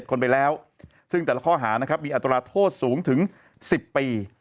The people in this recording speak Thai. ทั้งเจ็บก่อนอีแล้วซึ่งแต่ละข้อหานะครับอัตราโทษสูงถึงสิบปี